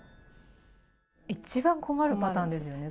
一番困るパターンですよね、それ。